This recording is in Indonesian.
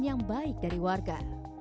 yang baik dari warga